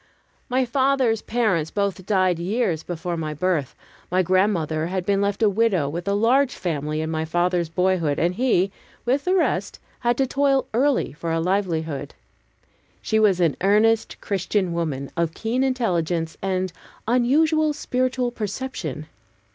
My father's parents both died years before my birth. My grandmother had been left a widow with a large family in my father's boyhood, and he, with the rest, had to toil early for a livelihood. She was an earnest Christian woman, of keen intelligence and unusual spiritual perception.